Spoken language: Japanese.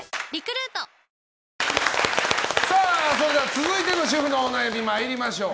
続いての主婦の悩み参りましょう。